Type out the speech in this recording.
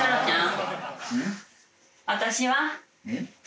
「私は？」